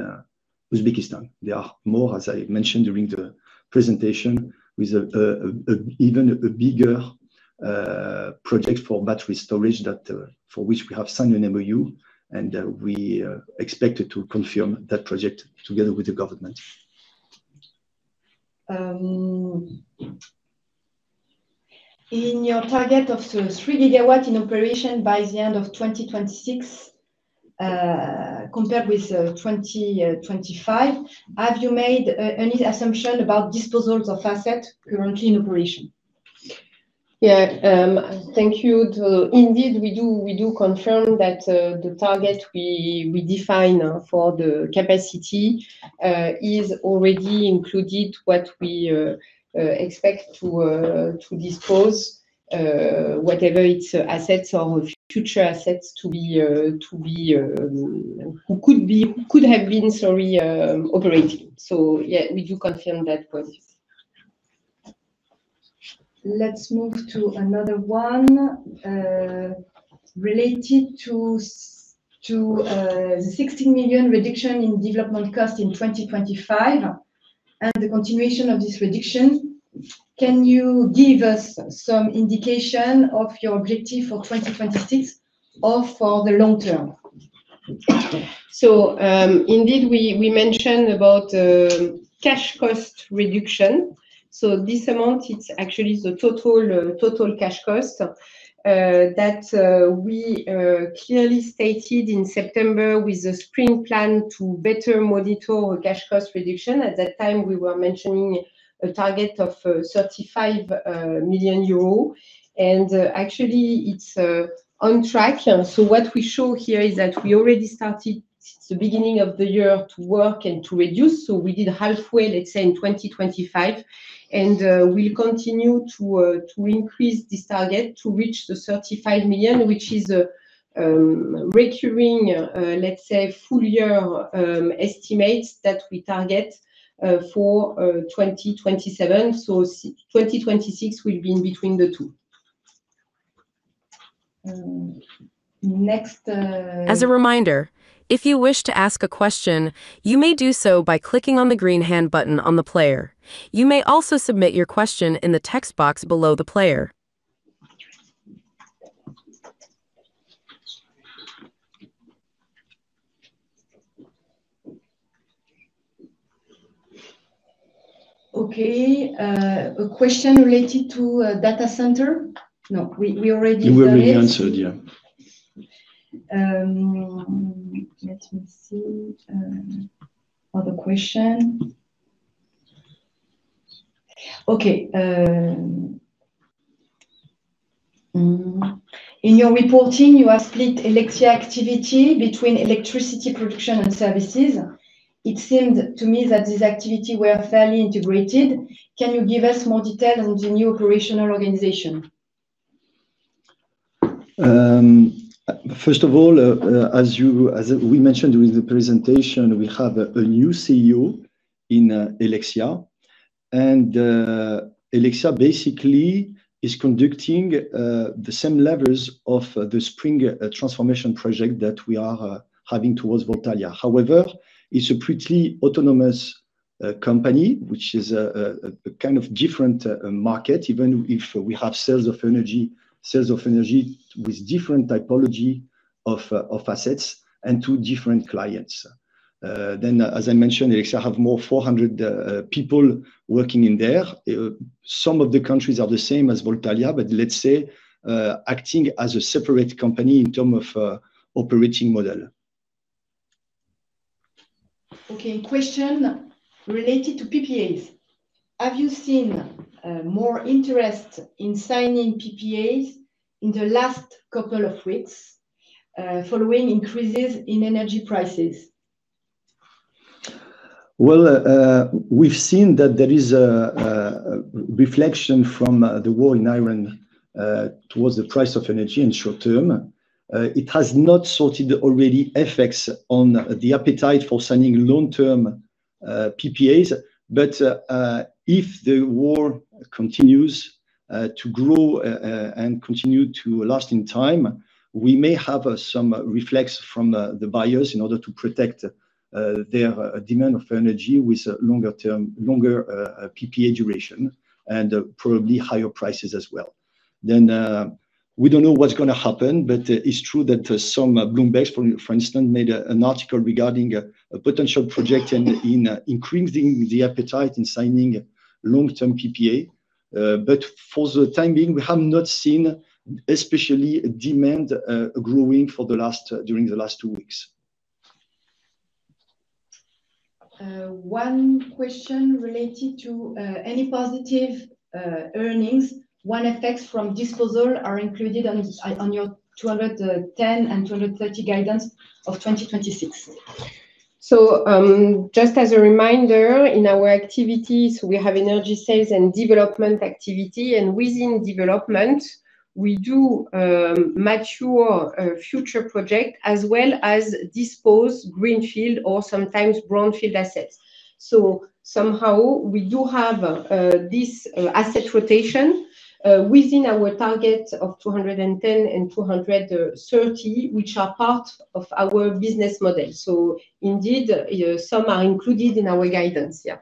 Uzbekistan. There are more, as I mentioned during the presentation, with even a bigger project for battery storage that for which we have signed an MoU, and we expected to confirm that project together with the government. In your target of 3 GW in operation by the end of 2026, compared with 2025, have you made any assumption about disposals of assets currently in operation? Yeah indeed we do confirm that the target we define for the capacity is already included what we expect to dispose whatever its assets or future assets to be could have been, sorry, operating. Yeah we do confirm that point. Let's move to another one. Related to 60 million reduction in development cost in 2025 and the continuation of this reduction, can you give us some indication of your objective for 2026 or for the long term? Indeed, we mentioned about cash cost reduction. This amount, it's actually the total cash cost that we clearly stated in September with the SPRING plan to better monitor our cash cost reduction. At that time, we were mentioning a target of 35 million euro, and actually, it's on track. What we show here is that we already started since the beginning of the year to work and to reduce. We did halfway, let's say, in 2025, and we'll continue to increase this target to reach the 35 million, which is a recurring, let's say, full year estimates that we target for 2027. 2026 will be in between the two. Next. As a reminder if you wish to ask a question, you may do so by clicking on the green hand button on the player. You may also submit your question in the text box below the player. Okay. A question related to data center. No, we already done it. We already answered, yeah. Let me see. Other question. Okay. In your reporting you have split Voltalia activity between electricity production and services. It seemed to me that these activity were fairly integrated. Can you give us more detail on the new operational organization? First of all, as we mentioned during the presentation, we have a new CEO in Helexia. Helexia basically is conducting the same levels of the SPRING transformation project that we are having towards Voltalia. However, it's a pretty autonomous company, which is a kind of different market, even if we have sales of energy with different typology of assets and to different clients. As I mentioned, Helexia have more 400 people working in there. Some of the countries are the same as Voltalia, but let's say acting as a separate company in term of operating model. Okay. Question related to PPAs. Have you seen more interest in signing PPAs in the last couple of weeks following increases in energy prices? We've seen that there is a reflection from the war in Ukraine towards the price of energy in short term. It has not sorted already effects on the appetite for signing long-term PPAs. If the war continues to grow and continue to last in time, we may have some reflex from the buyers in order to protect their demand of energy with longer PPA duration and probably higher prices as well. We don't know what's gonna happen, but it's true that some BloombergNEF, for instance, made an article regarding a potential projection in increasing the appetite in signing long-term PPA. For the time being, we have not seen especially demand growing during the last two weeks. One question related to any positive earnings. What effects from disposal are included on your 210 and 230 guidance of 2026? Just as a reminder, in our activities, we have Energy Sales and development activity. Within development, we do mature a future project as well as dispose greenfield or sometimes brownfield assets. Somehow we do have this asset rotation within our target of 210-230, which are part of our business model. Indeed, some are included in our guidance. Yeah.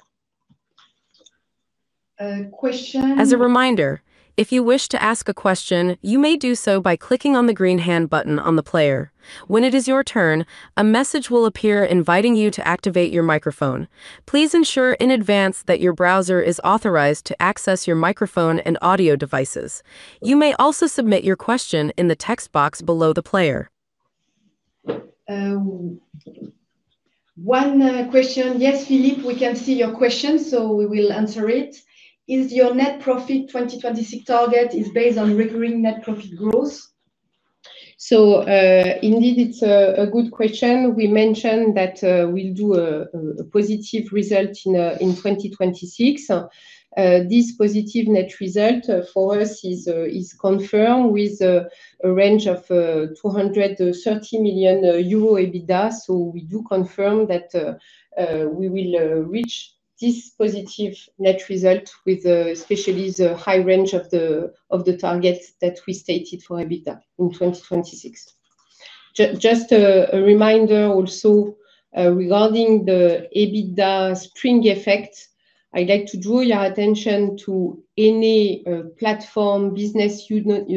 A question. As a reminder, if you wish to ask a question, you may do so by clicking on the green hand button on the player. When it is your turn, a message will appear inviting you to activate your microphone. Please ensure in advance that your browser is authorized to access your microphone and audio devices. You may also submit your question in the text box below the player. One question. Yes Philippe we can see your question, so we will answer it. Is your net profit 2026 target based on recurring net profit growth? Indeed, it's a good question. We mentioned that we'll do a positive result in 2026. This positive net result for us is confirmed with a range of 230 million euro EBITDA. We do confirm that we will reach this positive net result with especially the high range of the targets that we stated for EBITDA in 2026. Just a reminder also regarding the EBITDA SPRING effect. I'd like to draw your attention to any platform business unit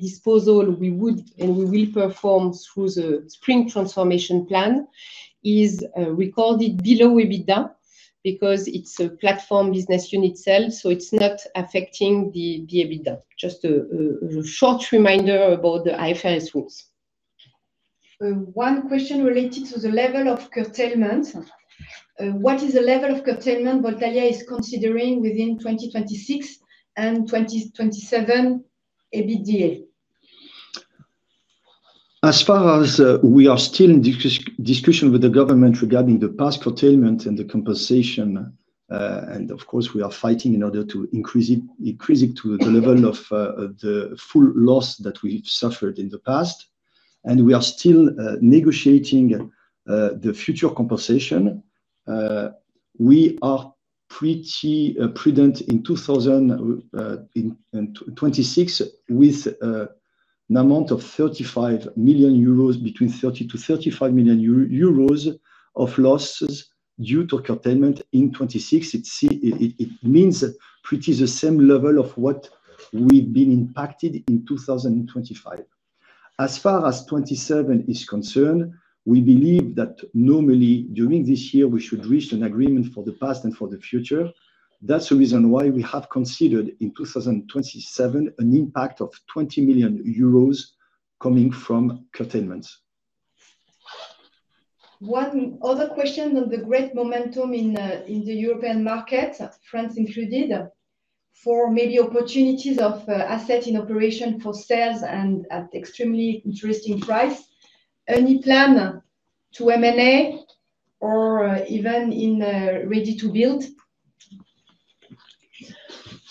disposal we would and we will perform through the SPRING transformation plan is recorded below EBITDA because it's a platform business unit sale, so it's not affecting the EBITDA. Just a short reminder about the IFRS rules. One question related to the level of curtailment. What is the level of curtailment Voltalia is considering within 2026 and 2027 EBITDA? As far as we are still in discussion with the government regarding the past curtailment and the compensation, and of course, we are fighting in order to increase it to the level of the full loss that we've suffered in the past. We are still negotiating the future compensation. We are pretty prudent in 2026 with an amount of 35 million euros, between 30 million-35 million euros of losses due to curtailment in 2026. It means pretty the same level of what we've been impacted in 2025. As far as 2027 is concerned, we believe that normally during this year, we should reach an agreement for the past and for the future. That's the reason why we have considered in 2027 an impact of 20 million euros coming from curtailment. One other question on the great momentum in the European market, France included, for maybe opportunities of asset in operation for sales and at extremely interesting price. Any plan to M&A or even in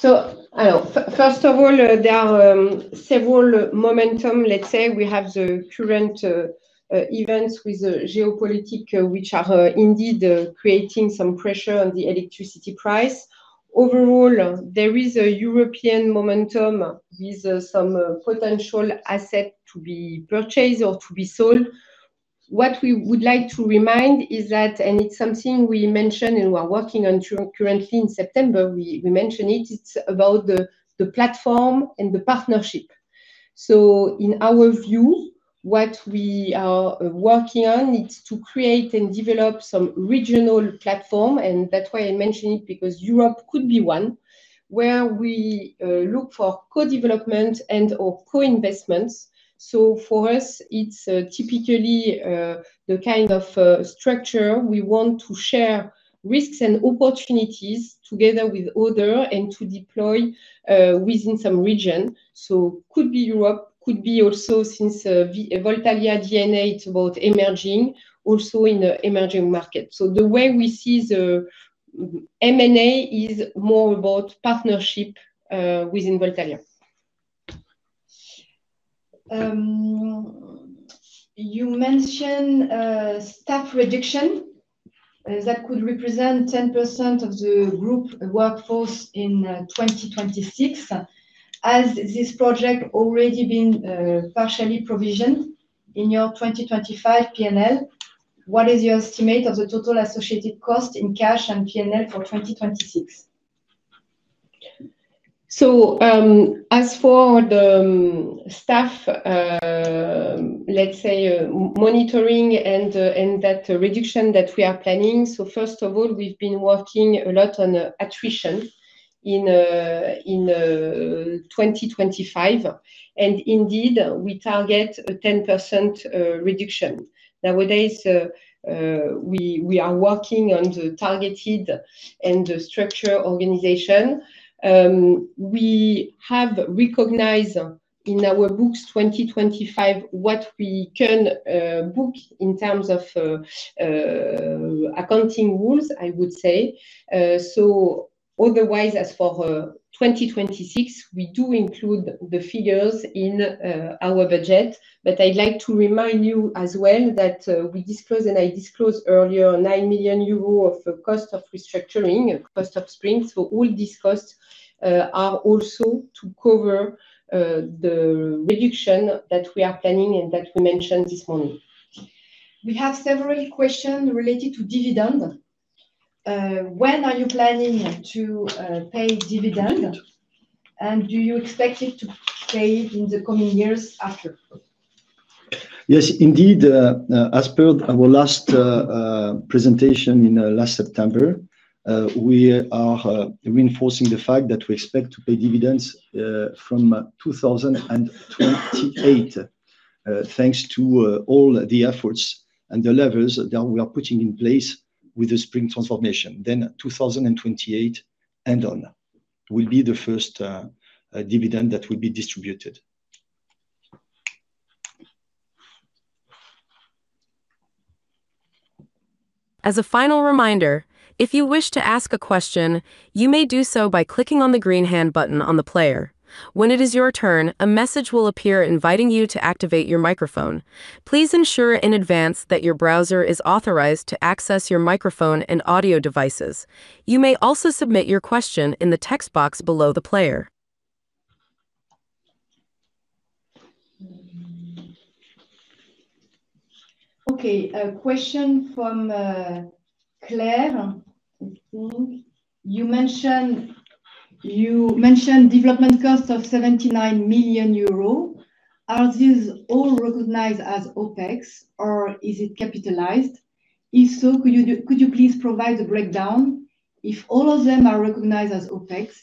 ready-to-build? First of all, there are several momentum, let's say. We have the current events with the geopolitical, which are indeed creating some pressure on the electricity price. Overall, there is a European momentum with some potential asset to be purchased or to be sold. What we would like to remind is that, and it's something we mentioned and we are working on currently in September, we mentioned it. It's about the platform and the partnership. In our view, what we are working on is to create and develop some regional platform, and that's why I mention it, because Europe could be one, where we look for co-development and/or co-investments. For us, it's typically the kind of structure we want to share risks and opportunities together with other and to deploy within some region. It could be Europe, could be also, since Voltalia's DNA, it's about emerging also in the emerging markets. The way we see the M&A is more about partnership within Voltalia. You mention staff reduction that could represent 10% of the group workforce in 2026. Has this project already been partially provisioned in your 2025 P&L? What is your estimate of the total associated cost in cash and P&L for 2026? As for the staff, let's say, monitoring and that reduction that we are planning. First of all, we've been working a lot on attrition in 2025, and indeed we target a 10% reduction. Nowadays, we are working on the targeted and the structural organization. We have recognized in our books 2025 what we can book in terms of accounting rules, I would say. Otherwise, as for 2026, we do include the figures in our budget. I'd like to remind you as well that we disclose, and I disclosed earlier 9 million euro of cost of restructuring, cost of SPRING. All these costs are also to cover the reduction that we are planning and that we mentioned this morning. We have several questions related to dividend. When are you planning to pay dividend? Do you expect it to pay it in the coming years after? Yes, indeed. As per our last presentation in last September, we are reinforcing the fact that we expect to pay dividends from 2028, thanks to all the efforts and the levers that we are putting in place with the SPRING transformation. 2028 and on will be the first dividend that will be distributed. As a final reminder, if you wish to ask a question, you may do so by clicking on the green hand button on the player. When it is your turn, a message will appear inviting you to activate your microphone. Please ensure in advance that your browser is authorized to access your microphone and audio devices. You may also submit your question in the text box below the player. Okay. A question from Claire I think you mentioned development costs of 79 million euros. Are these all recognized as OpEx, or is it capitalized? If so, could you please provide the breakdown? If all of them are recognized as OpEx,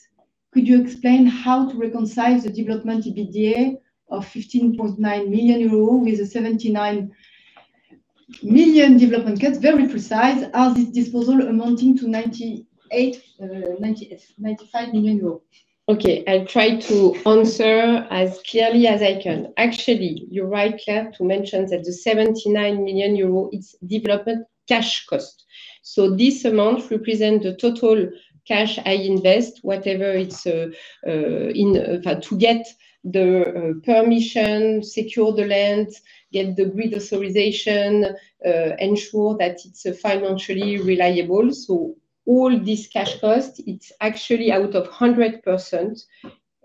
could you explain how to reconcile the development EBITDA of 15.9 million euros with the 79 million development costs, very precise, as this disposal amounting to 95 million euros? Okay. I'll try to answer as clearly as I can. Actually, you're right, Claire, to mention that the 79 million euro, it's development cash cost. So this amount represent the total cash I invest, whatever it's to get the permission, secure the land, get the grid authorization, ensure that it's financially reliable. So all this cash cost, it's actually out of 100%.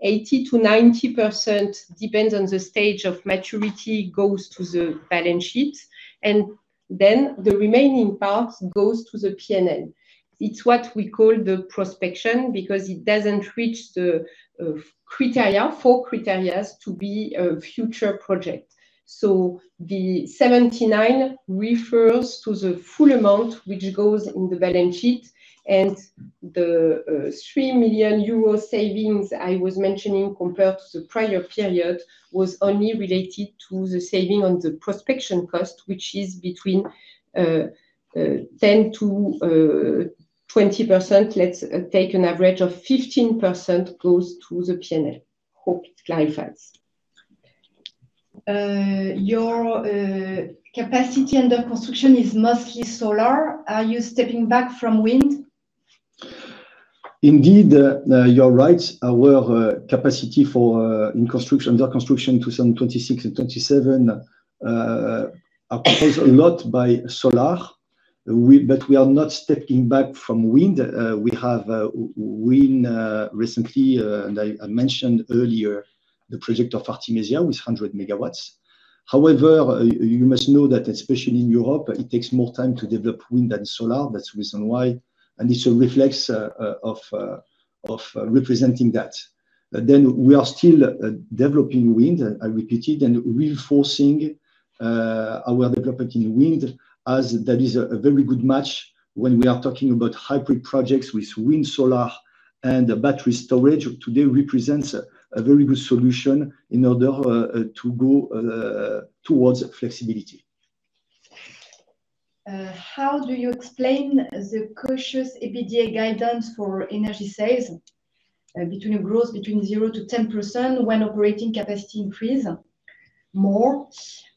80%-90%, depends on the stage of maturity, goes to the balance sheet, and then the remaining part goes to the P&L. It's what we call the prospection because it doesn't reach the criteria, four criteria to be a future project. The 79 refers to the full amount which goes in the balance sheet. The 3 million euro savings I was mentioning compared to the prior period was only related to the saving on the prospection cost, which is between 10%-20%. Let's take an average of 15% goes to the P&L. Hope it clarifies. Your capacity under construction is mostly solar. Are you stepping back from wind? Indeed, you're right. Our capacity under construction to some 2026 and 2027 are composed a lot by solar. We are not stepping back from wind. We have wind recently, and I mentioned earlier the project of Artemisia with 100 MW. However, you must know that especially in Europe, it takes more time to develop wind than solar. That's the reason why, and it's a reflex of representing that. We are still developing wind, I repeated, and reinforcing our development in wind as that is a very good match when we are talking about hybrid projects with wind, solar and battery storage. Today represents a very good solution in order to go towards flexibility. How do you explain the cautious EBITDA guidance for energy sales between a growth between 0%-10% when operating capacity increase more,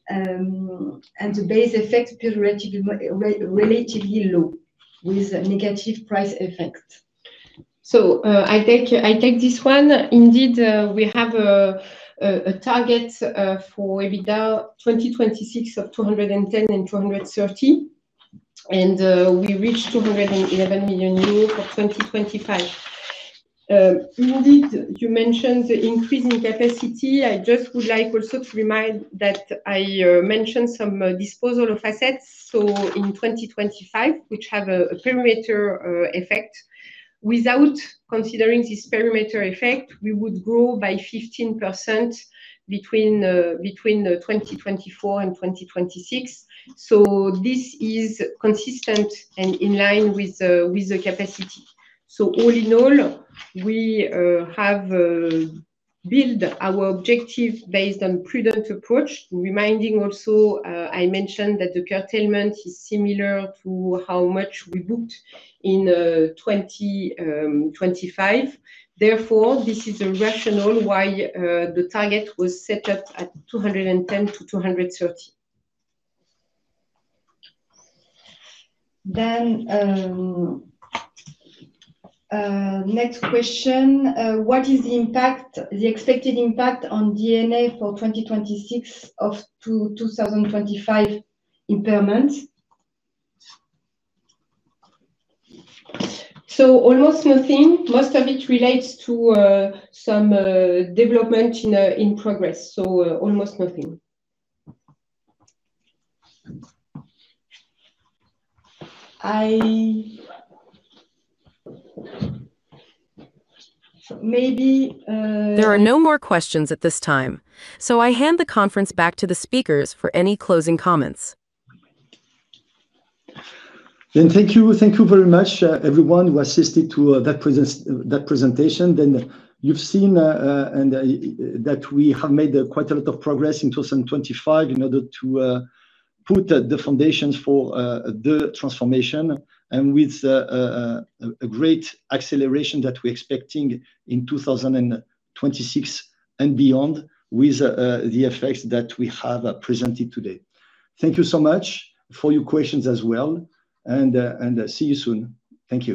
and the base effect appear relatively low with negative price effect? I take this one. Indeed, we have a target for EBITDA 2026 of 210 million-230 million, and we reached 211 million euros for 2025. Indeed, you mentioned the increase in capacity. I just would like also to remind that I mentioned some disposal of assets in 2025, which have a perimeter effect. Without considering this perimeter effect, we would grow by 15% between 2024 and 2026. This is consistent and in line with the capacity. All in all, we have built our objective based on prudent approach. Reminding also, I mentioned that the curtailment is similar to how much we booked in 2025. Therefore, this is a rationale why the target was set up at 210-230. Next question. What is the impact, the expected impact on D&A for 2026 of 2025 impairment? Almost nothing. Most of it relates to some development in progress. Almost nothing. There are no more questions at this time, so I hand the conference back to the speakers for any closing comments. Thank you thank you very much, everyone who attended that presentation. You've seen that we have made quite a lot of progress in 2025 in order to put the foundations for the transformation and with a great acceleration that we're expecting in 2026 and beyond with the effects that we have presented today. Thank you so much for your questions as well and see you soon. Thank you.